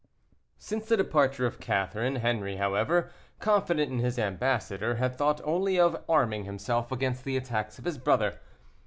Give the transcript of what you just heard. Since the departure of Catherine, Henri, however, confident in his ambassador, had thought only of arming himself against the attacks of his brother.